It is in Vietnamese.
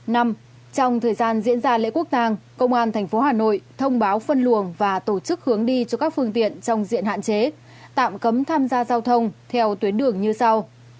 năm trong thời gian diễn ra lễ quốc tàng công an tp hà nội thông báo phân luồng và tổ chức hướng đi cho các phương tiện trong diện hạn chế tạm cấm tham gia giao thông theo tuyến đường như sau